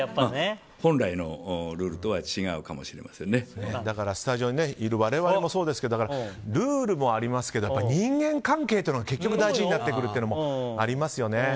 本来のルールとはだからスタジオにいる我々もそうですけどルールもありますけど人間関係というのが結局、大事になってくるというのもありますよね。